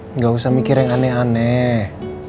nggak usah mikir yang aneh aneh